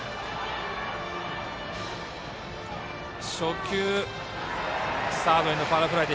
初球、サードへのファウルフライ。